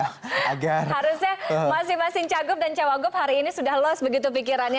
harusnya masing masing cagup dan cawagup hari ini sudah los begitu pikirannya